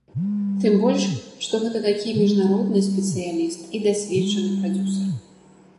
Тым больш, што гэта такі міжнародны спецыяліст і дасведчаны прадзюсар.